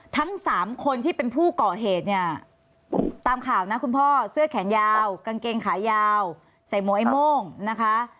ทั้งสามคนที่เป็นผู้ก่อเหตุเนี่ยตามข่าวนะคุณพ่อเสื้อแขนยาวกางเกงขายาวใส่หมวไอ้โม่งนะคะ